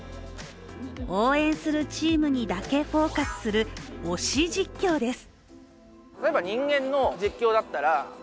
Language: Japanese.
応援するチームにだけフォーカスする推し実況です。